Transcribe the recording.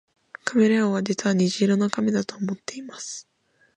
カメレオンは実は虹色の亀だと思っています